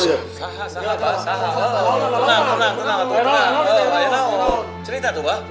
cerita tuh bang